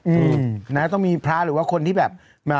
อืมนะต้องมีพระหรือว่าคนที่แบบอ่า